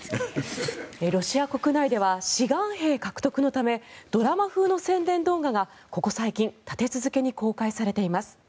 ロシア国内では志願兵獲得のためドラマ風の宣伝動画がここ最近立て続けに公開されています。